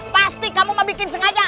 pasti kamu mau bikin sengaja